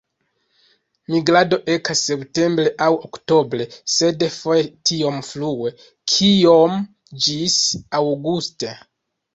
Migrado ekas septembre aŭ oktobre, sed foje tiom frue kiom ĝis aŭguste.